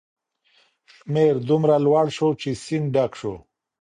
شمیر دومره لوړ شو چې سیند ډک شو.